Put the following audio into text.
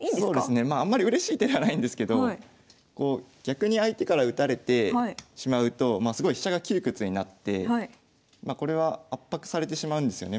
まああんまりうれしい手ではないんですけど逆に相手から打たれてしまうとすごい飛車が窮屈になってこれは圧迫されてしまうんですよね。